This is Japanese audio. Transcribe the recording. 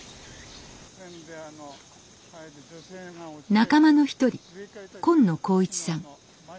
仲間の一人紺野幸一さん。